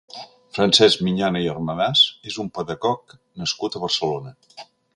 Francesc Miñana i Armadàs és un pedagog nascut a Barcelona.